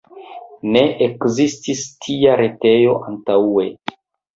Ne ekzistis tia retejo antaŭe.